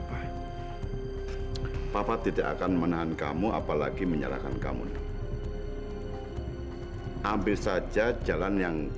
sampai jumpa di video selanjutnya